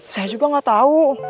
saya juga gak tau